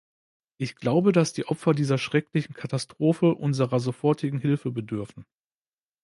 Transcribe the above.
Ich glaube, dass die Opfer dieser schrecklichen Katastrophe unserer sofortigen Hilfe bedürfen.